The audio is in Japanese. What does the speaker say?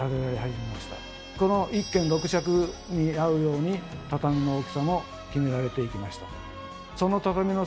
この１間６尺に合うように畳の大きさも決められていきました。